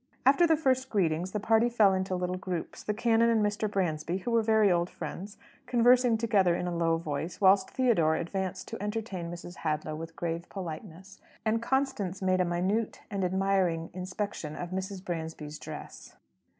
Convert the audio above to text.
After the first greetings, the party fell into little groups: the canon and Mr. Bransby, who were very old friends, conversing together in a low voice, whilst Theodore advanced to entertain Mrs. Hadlow with grave politeness, and Constance made a minute and admiring inspection of Mrs. Bransby's dress.